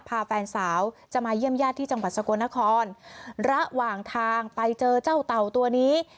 แฟนสาวจะมาเยี่ยมญาติที่จังหวัดสกลนครระหว่างทางไปเจอเจ้าเต่าตัวนี้